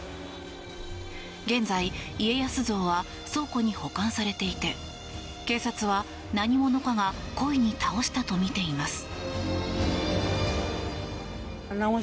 現在、家康像は倉庫に保管されていて警察は何者かが故意に倒したとみています。